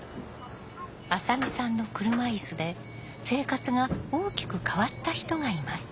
浅見さんの車いすで生活が大きく変わった人がいます。